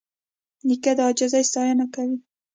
نیکه د عاجزۍ ستاینه کوي.